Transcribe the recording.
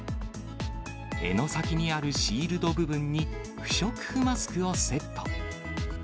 柄の先にあるシールド部分に不織布マスクをセット。